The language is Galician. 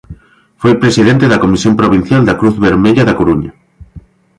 Foi presidente da Comisión provincial da Cruz Vermella da Coruña.